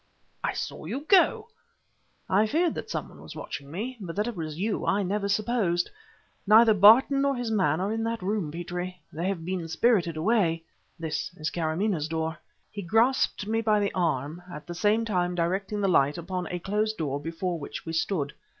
"I saw you go!" "I feared that some one was watching me, but that it was you I had never supposed. Neither Barton nor his man are in that room, Petrie! They have been spirited away! This is Kâramaneh's door." He grasped me by the arm, at the same time directing the light upon a closed door before which we stood.